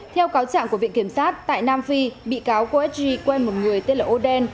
theo cáo trạng của viện kiểm sát tại nam phi bị cáo qsg quen một người tên là oden